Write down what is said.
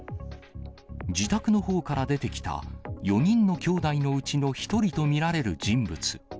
自宅のほうから出てきた４人のきょうだいのうちの１人と見られる人物。